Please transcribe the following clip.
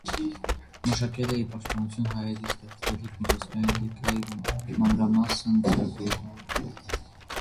Մշակել է ի պաշտպանություն հայերի ստեղծվելիք միջազգային լիգայի մանրամասն ծրագիրը։